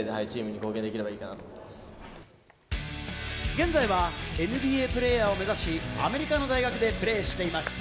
現在はＮＢＡプレーヤーを目指し、アメリカの大学でプレーしています。